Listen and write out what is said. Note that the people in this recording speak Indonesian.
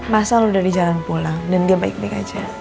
masa lo udah di jalan pulang